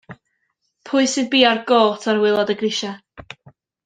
Pwy sydd bia'r gôt ar waelod y grisia?